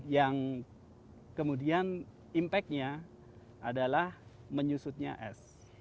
yang kemudian impact nya adalah menyusutnya es